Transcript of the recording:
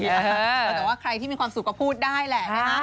แต่ว่าใครที่มีความสุขก็พูดได้แหละนะคะ